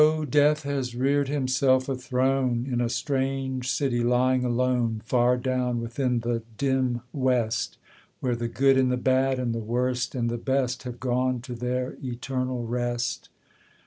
Death has reared himself a throne In a strange city lying alone Far down within the dim West, Where the good and the bad and the worst and the best Have gone to their eternal rest.